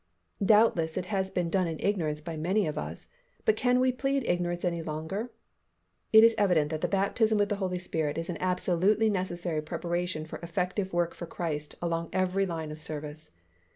Doubtless it has been done in ignorance by many of us, but can we plead ignorance any longer? It is evident that the baptism with the Holy Spirit is an absolutely necessary preparation for effective work for Christ along every line of service.